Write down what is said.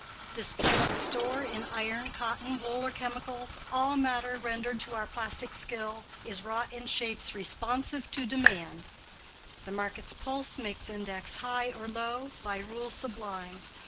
This planet's store In iron, cotton, wool, or chemicals— All matter rendered to our plastic skill, Is wrought in shapes responsive to demand; The market's pulse makes index high or low, By rule sublime.